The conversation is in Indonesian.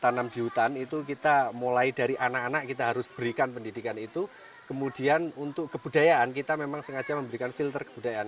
tanam di hutan itu kita mulai dari anak anak kita harus berikan pendidikan itu kemudian untuk kebudayaan kita memang sengaja memberikan filter kebudayaan